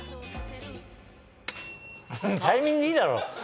タイミングいいだろ！